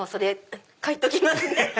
書いておきますね。